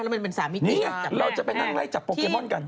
แล้วมันเป็นสามีนี่ไงเราจะไปนั่งไล่จับโปเกมอนกัน